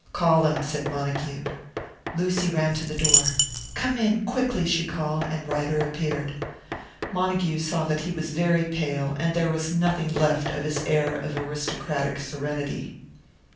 "Call him," said Montague. Lucy ran to the door. "Come in. Quickly!" she called, and Ryder appeared. Montague saw that he was very pale; and there was nothing left of his air of aristocratic serenity.